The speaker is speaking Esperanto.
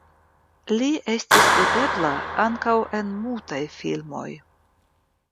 Li estis videbla ankaŭ en mutaj filmoj.